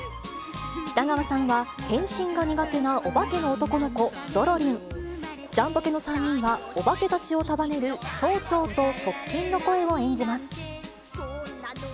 北川さんは、変身が苦手なオバケの男の子、ドロリン、ジャンポケの３人は、オバケたちを束ねる町長と側近の声を演じます。